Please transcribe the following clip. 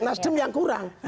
nasdem yang kurang